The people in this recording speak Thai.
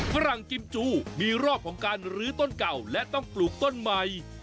ฝรั่งกิมจูมีรอบของการลื้อต้นเก่าและต้องปลูกต้นใหม่